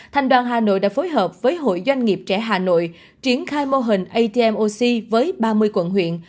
thành đoàn hà nội đã phối hợp với hội doanh nghiệp trẻ hà nội triển khai mô hình atmoc với ba mươi quận huyện